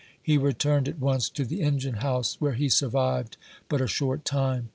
He returned at once to the engine house, where he survived but a short time.